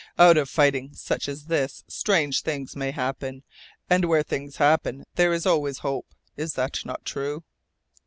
"Out of fighting such as this strange things may happen. And where things happen there is always hope. Is that not true?"